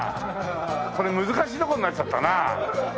これ難しいとこになっちゃったな。